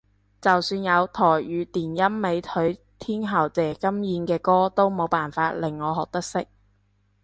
就算有台語電音美腿天后謝金燕嘅歌都冇辦法令我學得識